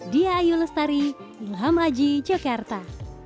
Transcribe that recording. diayu lestari ilham haji jogarta